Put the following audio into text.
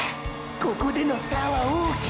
ここでの差は大きい！！